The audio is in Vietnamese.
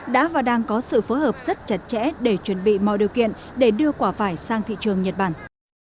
đã và đang có sự phối hợp rất chặt chẽ để chuẩn bị mọi điều kiện để đưa quả vải sang thị trường nhật bản